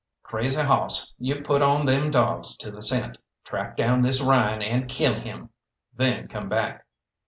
Crazy Hoss, you put on them dawgs to the scent, track down this Ryan, and kill him. Then come back."